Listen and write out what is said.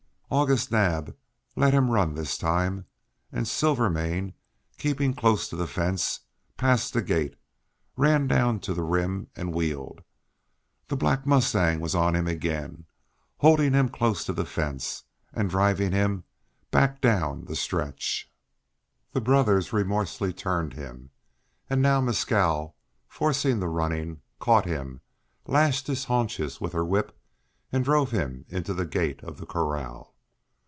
August Naab let him run this time, and Silvermane, keeping close to the fence, passed the gate, ran down to the rim, and wheeled. The black mustang was on him again, holding him in close to the fence, driving him back down the stretch. The brothers remorselessly turned him, and now Mescal, forcing the running, caught him, lashed his haunches with her whip, and drove him into the gate of the corral.